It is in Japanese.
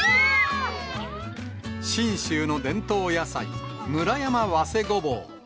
信州の伝統野菜、村山早生ごぼう。